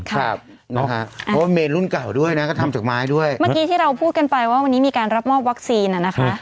เพราะว่าเมนรุ่นเก่าด้วยนะก็ทำจากไม้ด้วยเมื่อกี้ที่เราพูดกันไปว่าวันนี้มีการรับมอบวัคซีนอ่ะนะคะ